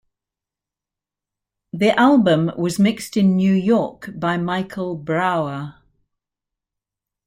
The album was mixed in New York by Michael Brauer.